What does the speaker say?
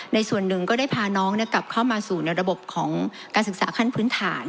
ส่วนหนึ่งก็ได้พาน้องกลับเข้ามาสู่ในระบบของการศึกษาขั้นพื้นฐาน